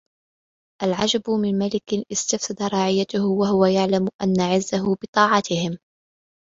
الْعَجَبُ مِنْ مَلِكٍ اسْتَفْسَدَ رَعِيَّتَهُ وَهُوَ يَعْلَمُ أَنَّ عِزَّهُ بِطَاعَتِهِمْ